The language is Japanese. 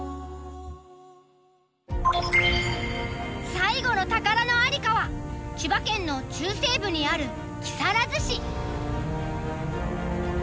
最後の宝の在りかは千葉県の中西部にある木更津市。